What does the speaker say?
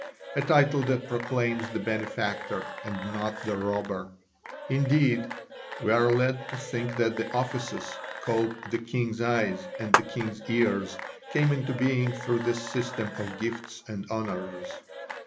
a title that proclaims the benefactor and not the robber. Indeed, we are led to think that the offices called "the king's eyes" and "the king's ears" came into being through this system of gifts and honours.